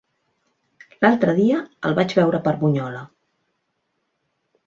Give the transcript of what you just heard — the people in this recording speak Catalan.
L'altre dia el vaig veure per Bunyola.